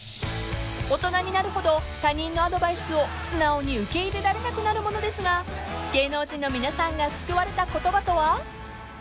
［大人になるほど他人のアドバイスを素直に受け入れられなくなるものですが芸能人の皆さんが救われた言葉とは？］